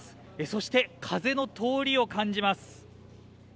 そして風の通りを感じます。